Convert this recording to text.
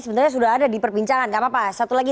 sebenarnya sudah ada di perbincangan gak apa apa satu lagi